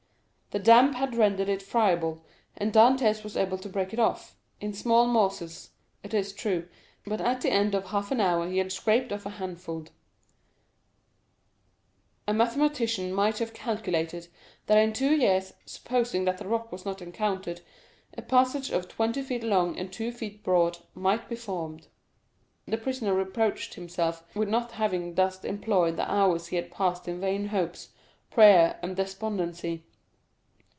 The damp had rendered it friable, and Dantès was able to break it off—in small morsels, it is true, but at the end of half an hour he had scraped off a handful; a mathematician might have calculated that in two years, supposing that the rock was not encountered, a passage twenty feet long and two feet broad, might be formed. The prisoner reproached himself with not having thus employed the hours he had passed in vain hopes, prayer, and despondency.